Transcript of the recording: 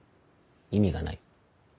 意味がない？